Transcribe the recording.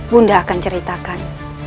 bunda akan ceritakan